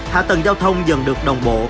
hạ tầng giao thông dần được đồng bộ